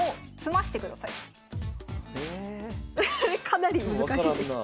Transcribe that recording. かなり難しいです。